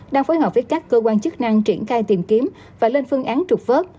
đang phối hợp với các cơ quan chức năng triển khai tìm kiếm và lên phương án trục vớt